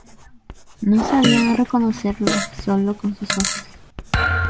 No sabían reconocerlo solo con sus ojos.